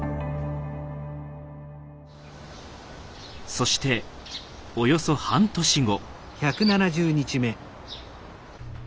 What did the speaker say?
そしておよそ半年後。